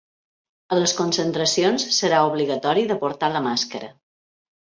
A les concentracions serà obligatori de portar la màscara.